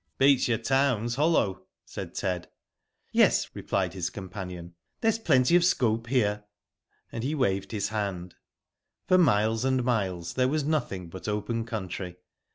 Beats your towns hollow," said Ted. ••Yes," replied his companion, '* there's plenty of scope here," and he waved his hand. For miles and miles there was nothing but open country.